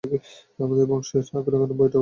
আমাদের বংশে অঘ্রানের ভয়টাও কাটবে না।